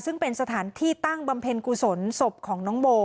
ซึ่งเป็นสถานที่ตั้งบำเพ็ญกุศลศพของน้องโม